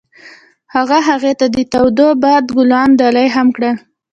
هغه هغې ته د تاوده باد ګلان ډالۍ هم کړل.